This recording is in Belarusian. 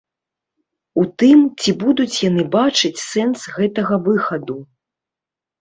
У тым, ці будуць яны бачыць сэнс гэтага выхаду.